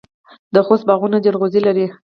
د خوست باغونه جلغوزي لري.